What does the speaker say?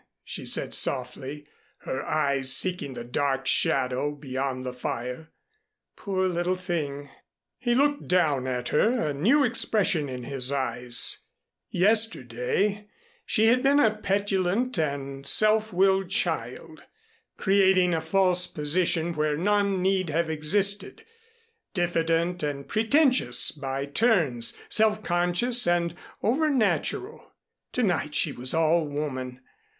she said softly, her eyes seeking the dark shadow beyond the fire. "Poor little thing!" He looked down at her, a new expression in his eyes; yesterday she had been a petulant, and self willed child, creating a false position where none need have existed, diffident and pretentious by turns, self conscious and over natural. To night she was all woman.